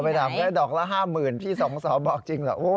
ไปถามก็ได้ดอกละ๕๐๐๐พี่๒สอบอกจริงเหรอ